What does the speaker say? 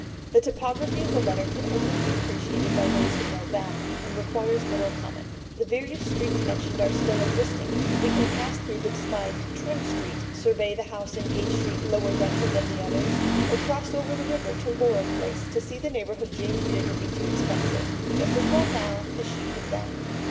The topography of the letter can only be appreciated by those who know Bath, and requires little comment. The various streets mentioned are still existing, and we can pass through the despised Trim Street, survey the house in Gay Street lower rented than the others, or cross over the river to Laura Place to see the neighbourhood Jane feared would be too expensive, just as well now, as she could then.